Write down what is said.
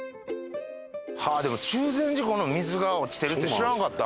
でも中禅寺湖の水が落ちてるって知らんかった。